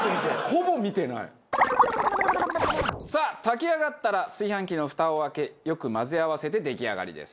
さあ炊き上がったら炊飯器のふたを開けよく混ぜ合わせて出来上がりです。